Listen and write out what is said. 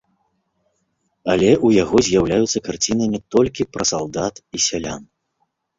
Але ў яго з'яўляюцца карціны не толькі пра салдат і сялян.